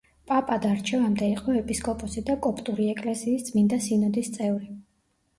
პაპად არჩევამდე იყო ეპისკოპოსი და კოპტური ეკლესიის წმინდა სინოდის წევრი.